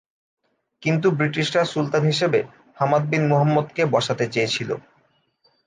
কিন্তু ব্রিটিশরা সুলতান হিসেবে হামাদ বিন-মুহাম্মদকে বসাতে চেয়েছিল।